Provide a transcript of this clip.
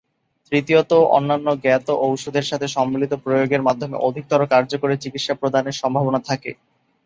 তৃতীয়ত অন্যান্য জ্ঞাত ঔষধের সাথে সম্মিলিত প্রয়োগের মাধ্যমে অধিকতর কার্যকরী চিকিৎসা প্রদানের সম্ভাবনা থাকে।